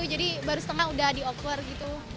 jadi baru setengah udah dioper gitu